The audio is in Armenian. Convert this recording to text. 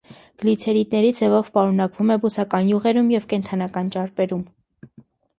Գլիցերիդների ձևով պարունակվում է բուսական յուղերում և կենդանական ճարպերում։